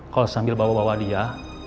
kalau sambil bawa bawa dia